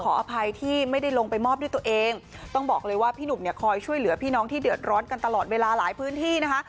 อภัยที่ไม่ได้ลงไปมอบด้วยตัวเองต้องบอกเลยว่าพี่หนุ่มเนี่ยคอยช่วยเหลือพี่น้องที่เดือดร้อนกันตลอดเวลาหลายพื้นที่นะคะ